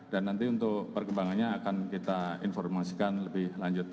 dan nanti untuk perkembangannya akan kita informasikan lebih lanjut